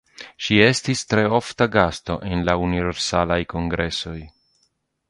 Ŝi estis tre ofta gasto en la Universalaj Kongresoj.